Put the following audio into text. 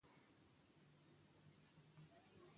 له هغه وروسته پر ساحل ورپورې وزئ او کښتۍ ودروئ.